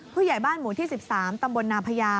ผู้ใหญ่บ้านหมู่ที่๑๓ตำบลนาพญา